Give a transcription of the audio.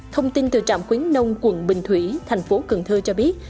thông tin từ trạm khuyến nông quận bình thủy thành phố cần thơ cho biết